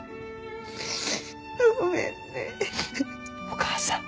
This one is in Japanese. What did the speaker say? お母さん。